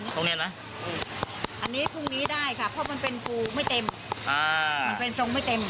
ตรงนี้นะอันนี้พรุ่งนี้ได้ค่ะเพราะมันเป็นปูไม่เต็มมันเป็นทรงไม่เต็ม